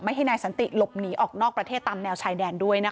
ให้นายสันติหลบหนีออกนอกประเทศตามแนวชายแดนด้วยนะคะ